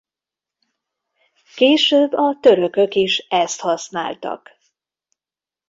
Később a törökök is ezt használtak.